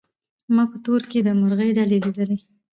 ما په تور کي د مرغۍ ډلي لیدلې